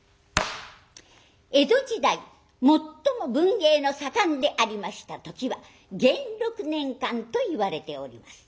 江戸時代最も文芸の盛んでありました時は元禄年間といわれております。